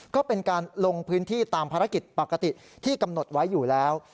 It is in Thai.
ก็เป็นการลงพื้นที่ตามภารกิจปกติที่กำหนดไว้อยู่แล้ว